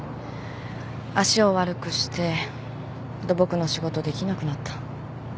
足を悪くして土木の仕事できなくなった。